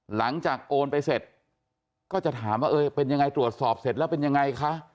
หลังจากโอนไปเสร็จก็จะถามว่าเออเป็นยังไงตรวจสอบเสร็จแล้วเป็นยังไงคะ